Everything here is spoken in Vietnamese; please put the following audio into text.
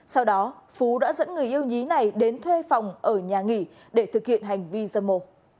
sau đó phú đã dẫn người yêu nhí này đến thuê phòng ở nhà nghỉ để thực hiện hành vi dâm ô